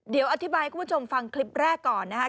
เดี๋ยวอธิบายให้คุณผู้ชมฟังคลิปแรกก่อนนะครับ